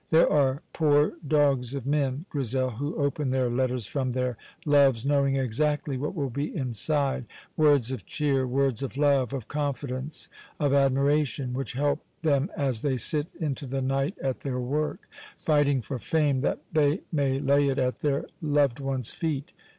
There are poor dogs of men, Grizel, who open their letters from their loves knowing exactly what will be inside words of cheer, words of love, of confidence, of admiration, which help them as they sit into the night at their work, fighting for fame that they may lay it at their loved one's feet.